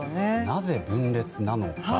なぜ分裂なのか？